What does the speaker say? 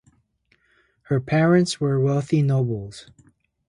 Her parents were wealthy nobles.